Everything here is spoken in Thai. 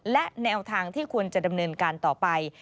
และแนวทางที่ควรจะดำเนินการต่อไป